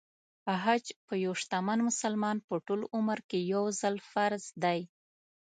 حج په یو شتمن مسلمان په ټول عمر کې يو ځل فرض دی .